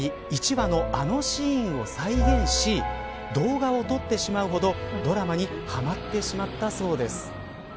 １話のあのシーンを再現し動画を撮ってしまうほどドラマにはまってしまったそうです。